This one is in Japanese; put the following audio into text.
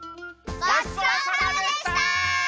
ごちそうさまでした！